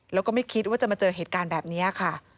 แล้วก็ไม่คิดว่าจะมาเจอเหตุการณ์แบบนี้ค่ะ